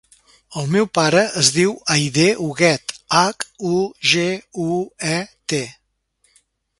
El meu pare es diu Aidé Huguet: hac, u, ge, u, e, te.